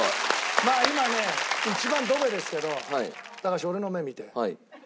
まあ今ね一番ドベですけど高橋俺の目見て。